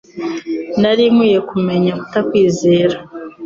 Nari nkwiye kumenya kutakwizera